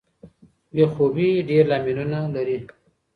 بې خوبۍ ډیر لاملونه لري.